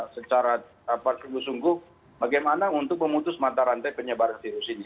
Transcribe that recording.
secara sungguh sungguh bagaimana untuk memutus mata rantai penyebaran virus ini